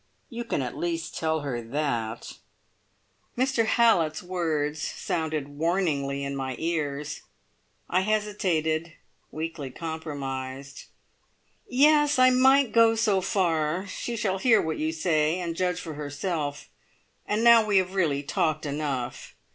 You can at least tell her that." Mr Hallett's words sounded warningly in my ears. I hesitated, weakly compromised. "Yes I might go so far. She shall hear what you say, and judge for herself. And now we have really talked enough.